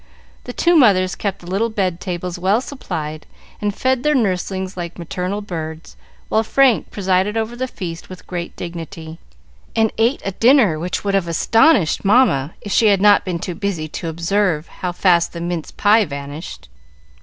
The two mothers kept the little bed tables well supplied, and fed their nurslings like maternal birds, while Frank presided over the feast with great dignity, and ate a dinner which would have astonished Mamma, if she had not been too busy to observe how fast the mince pie vanished.